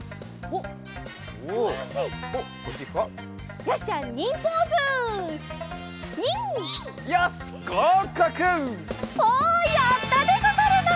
おっやったでござるな！